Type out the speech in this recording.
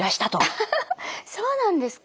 アハハそうなんですか？